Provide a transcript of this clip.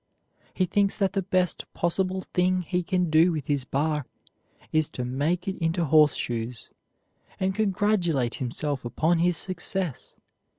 He thinks that the best possible thing he can do with his bar is to make it into horseshoes, and congratulates himself upon his success.